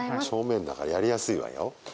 正面だからやりやすいわよ。